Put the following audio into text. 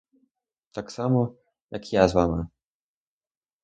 Так само, як я з вами.